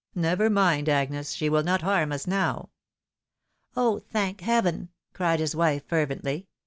" JsTever mind, Agnes, she will not harm us now." " Oh, thank Heaven !" cried his wife, fervently.